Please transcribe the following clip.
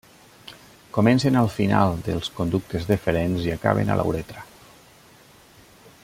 Comencen al final dels conductes deferents i acaben a la uretra.